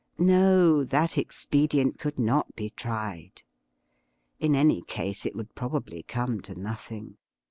No ; that expedient could not be tried. In any case it would probably come to nothing.